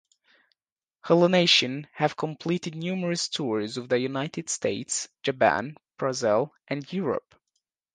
Hellnation have completed numerous tours of the United States, Japan, Brazil and Europe.